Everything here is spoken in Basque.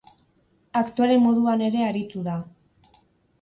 Aktore moduan ere aritu da.